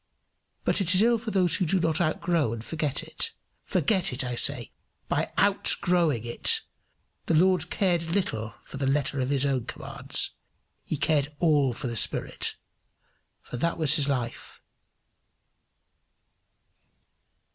But it is ill for those who do not outgrow and forget it! Forget it, I say, by outgrowing it. The Lord cared little for the letter of his own commands; he cared all for the spirit, for that was life.